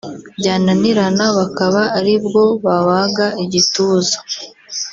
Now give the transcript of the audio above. byananirana bakaba ari bwo babaga igituza